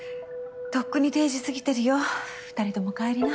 とっくに定時過ぎてるよ２人共帰りな。